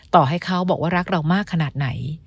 ต่อให้เขาบอกว่ารักเรามากขนาดไหน